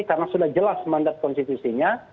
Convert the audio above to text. karena sudah jelas mandat konstitusinya